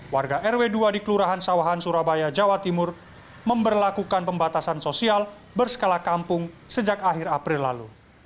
warga rw dua di kelurahan sawahan surabaya jawa timur memberlakukan pembatasan sosial berskala kampung sejak akhir april lalu